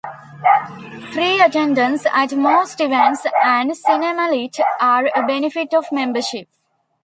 Free attendance at most events and CinemaLit are a benefit of membership.